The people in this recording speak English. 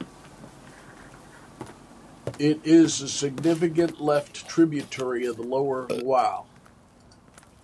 It is a significant left tributary of the lower Loire.